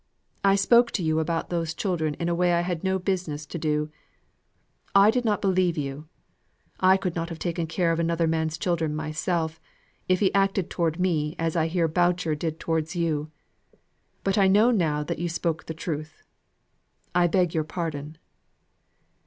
I spoke to you about those children in a way I had no business to. I did not believe you. I could not have taken care of another man's children myself, if he had acted towards me as I hear Boucher did towards you. But I know now you spoke truth. I beg your pardon."